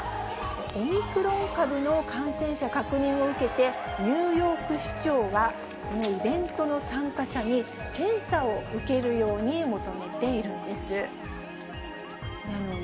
オミクロン株の感染者確認を受けて、ニューヨーク市長は、このイベントの参加者に検査を受けるように求めているんです。